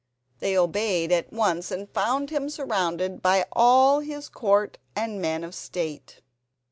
They obeyed at once and found him surrounded by all his court and men of state.